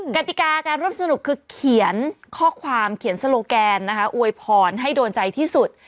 กติกาการร่วมสนุกคือเขียนข้อความเขียนสโลแกนนะคะอวยพรให้โดนใจที่สุด